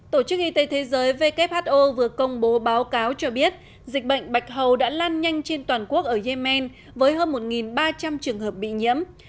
tổ chức y tế thế giới who vừa công bố báo cáo cho biết dịch bệnh bạch hầu đã lan nhanh trên toàn quốc ở yemen với hơn một ba trăm linh trường hợp bị nhiễm